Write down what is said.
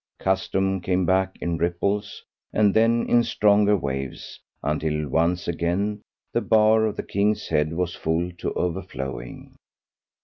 Custom came back in ripples, and then in stronger waves, until once again the bar of the "King's Head" was full to overflowing.